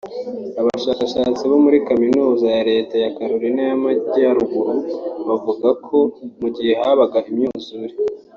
Abashakashatsi bo muri Kaminuza ya Leta ya Carolina y’Amajyaruguru bavuga ko mu gihe habagaho imyuzure